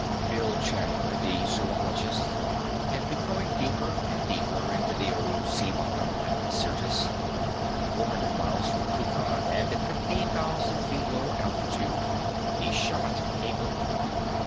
Bill Chandler, the zoologist, had been going deeper and deeper into the old sea bottom of Syrtis. Four hundred miles from Kukan, and at fifteen thousand feet lower altitude, he shot a bird.